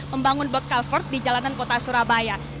membangun bot culvert di jalanan kota surabaya